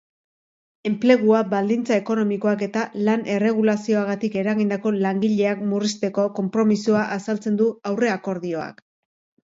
Enplegua, baldintza ekonomikoak eta lan-erregulazioagatik eragindako langileak murrizteko konpromisoa azaltzen du aurreakordioak.